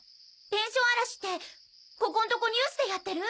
ペンション荒らしってここんとこニュースでやってる？